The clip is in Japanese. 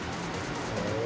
へえ！